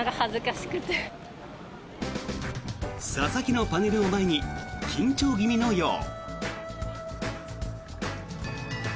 佐々木のパネルを前に緊張気味のよう。